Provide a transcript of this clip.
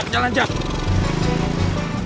jalan jalan jalan